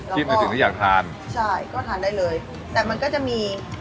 คิดในสิ่งที่อยากทานใช่ก็ทานได้เลยแต่มันก็จะมี